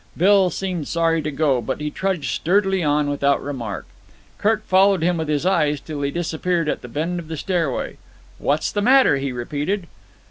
Bill seemed sorry to go, but he trudged sturdily on without remark. Kirk followed him with his eyes till he disappeared at the bend of the stairway. "What's the matter?" he repeated.